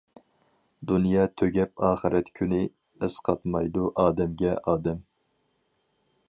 دۇنيا تۈگەپ ئاخىرەت كۈنى، ئەسقاتمايدۇ ئادەمگە ئادەم.